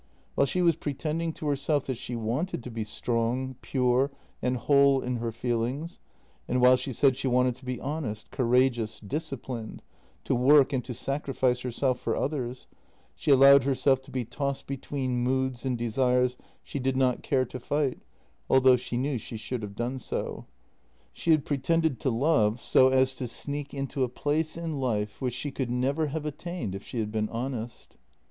While she was pretending to herself that she wanted to be strong, pure, and whole in her feelings, and while she said she wanted to be honest, courageous, disciplined — to work and to sacrifice her self for others — she allowed herself to be tossed between moods and desires she did not care to fight, although she knew she should have done so. She had pretended to love so as to sneak 284 JENNY into a place in life which she could never have attained if she had been honest.